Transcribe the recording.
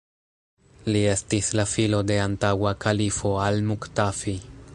Li estis la filo de antaŭa kalifo al-Muktafi.